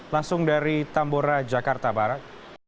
langsung dari tambora jakarta barat